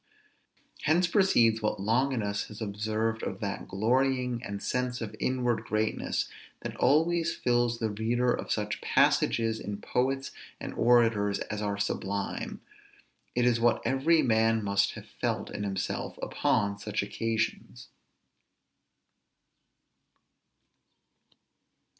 Hence proceeds what Longinus has observed of that glorying and sense of inward greatness, that always fills the reader of such passages in poets and orators as are sublime: it is what every man must have felt in himself upon such occasions.